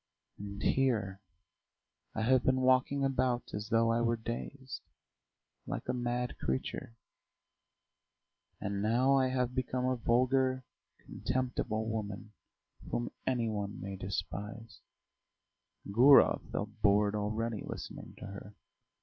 And here I have been walking about as though I were dazed, like a mad creature; ... and now I have become a vulgar, contemptible woman whom any one may despise." Gurov felt bored already, listening to her.